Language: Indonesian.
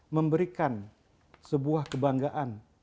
memberikan sebuah kebanggaan